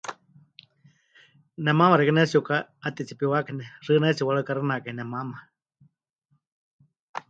Nemaama xeikɨ́a pɨnetsi'uka'atetsipiwákai ne, xɨɨnáitsɨ pɨwarukaxɨnakai nemaama.